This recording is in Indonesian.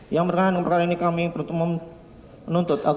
yang berkaitan dengan perkara ini kami perlu menuntut